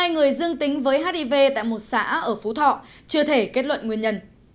một mươi người dương tính với hiv tại một xã ở phú thọ chưa thể kết luận nguyên nhân